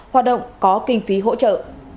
hoạt động có kinh phí hỗ trợ